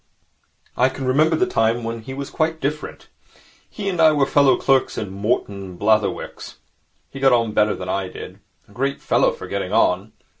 I can remember the time when he was quite different. He and I were fellow clerks in Morton and Blatherwick's. He got on better than I did. A great fellow for getting on.